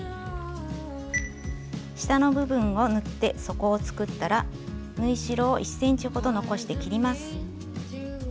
下の部分を縫って底を作ったら縫い代を１ｃｍほど残して切ります。